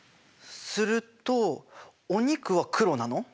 するとお肉は黒なの？